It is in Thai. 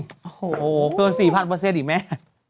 โอ้โหเพิ่ม๔๐๐๐เปอร์เซ็นต์อีกไหม